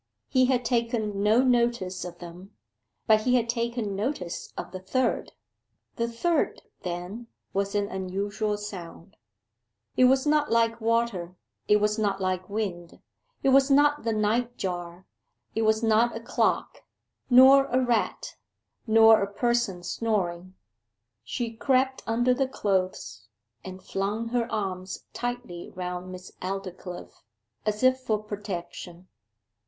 He had taken no notice of them, but he had taken notice of the third. The third, then, was an unusual sound. It was not like water, it was not like wind; it was not the night jar, it was not a clock, nor a rat, nor a person snoring. She crept under the clothes, and flung her arms tightly round Miss Aldclyffe, as if for protection.